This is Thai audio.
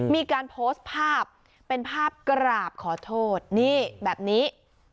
มีการโพสต์ภาพเป็นภาพกราบขอโทษนี่แบบนี้